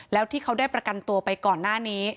แล้วที่เขาได้ประกันตัวไปก่อนหน้านี้